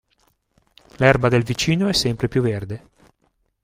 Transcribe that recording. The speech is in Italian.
L'erba del vicino è sempre più verde.